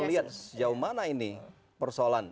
melihat sejauh mana ini persoalan